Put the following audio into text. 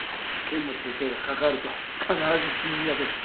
剣持先生が関わると必ず死人が出る。